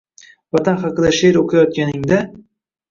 Vatan haqida she’r o‘qiyotganingda